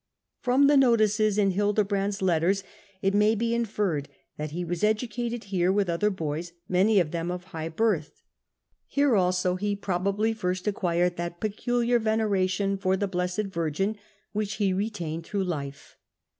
Prom notices in Hildebrand's letters it may be in ferred that he was educated here with other boys, many of them of high birth.* Here also he probably first acquired that peculiar veneration for the Blessed Virgin which he retained through life.